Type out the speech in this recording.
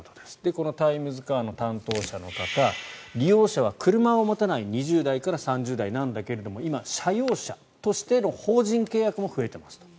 このタイムズカーの担当者の方利用者は車を持たない２０代から３０代なんだけれども今、社用車としての法人契約も増えていますと。